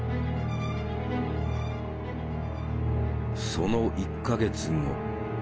その１か月後。